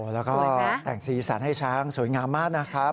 แล้วก็แต่งสีสันให้ช้างสวยงามมากนะครับ